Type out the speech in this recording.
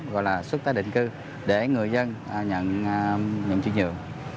gọi là suất tái định cư để người dân nhận chuyển nhận